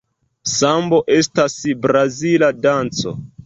Sambo estas brazila danco.